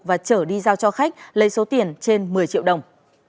và trở đi giao cho khách lấy số tiền trên một mươi triệu đồng